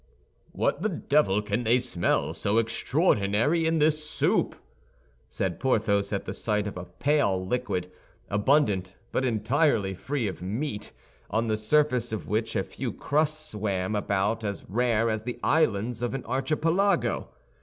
"What the devil can they smell so extraordinary in this soup?" said Porthos, at the sight of a pale liquid, abundant but entirely free from meat, on the surface of which a few crusts swam about as rare as the islands of an archipelago.